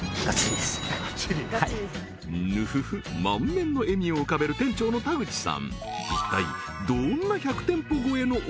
満面の笑みを浮かべる店長の田口さん